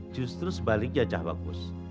justru sebaliknya cah wakus